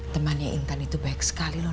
temannya intan itu baik sekali loh